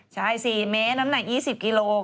ใช่๔เมตรน้ำหนัก๒๐กิโล